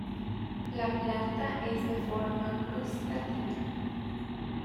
La planta es de forma cruz latina.